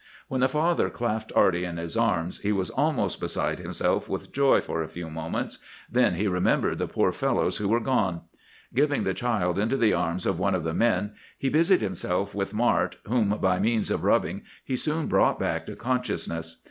"When the father clasped Arty in his arms he was almost beside himself with joy for a few moments; then he remembered the poor fellows who were gone. Giving the child into the arms of one of the men, he busied himself with Mart, whom, by means of rubbing, he soon brought back to consciousness.